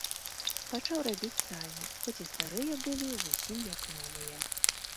Пачаў рабіць сані, хоць і старыя былі зусім як новыя.